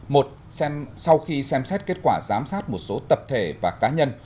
một sau khi xem xét kết quả giám sát một số tập thể và cá nhân